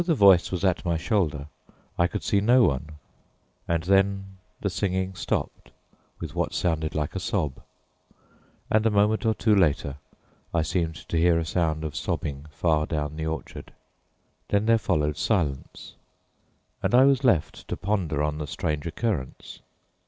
"_ But, though the voice was at my shoulder, I could see no one, and then the singing stopped with what sounded like a sob; and a moment or two later I seemed to hear a sound of sobbing far down the orchard. Then there followed silence, and I was left to ponder on the strange occurrence.